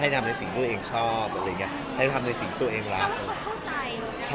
ทำในสิ่งที่ตัวเองชอบอะไรอย่างเงี้ยให้ทำในสิ่งที่ตัวเองรัก